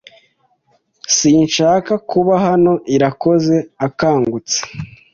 Sinshaka kuba hano Irakoze akangutse.